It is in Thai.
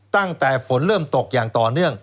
ตั้งแต่ฝนเริ่มตกอย่างต่อเนื่อง